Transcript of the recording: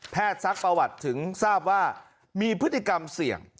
ซักประวัติถึงทราบว่ามีพฤติกรรมเสี่ยง